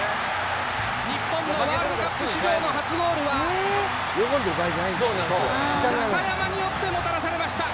日本のワールドカップ史上の初ゴールは中山によってもたらされました。